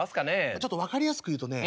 ちょっと分かりやすく言うとね